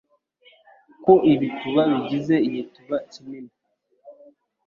ko ibituba bigize igituba kinini